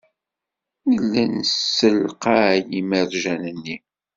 Nella nessalqay imerjan-nni.